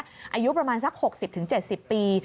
อายุประมาณสัก๖๐๗๐ปี